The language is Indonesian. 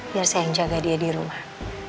biar saya yang jaga dia di rumah